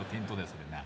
それなあ。